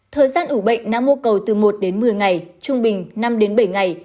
thời gian ủ bệnh não mô cầu từ một một mươi ngày trung bình năm bảy ngày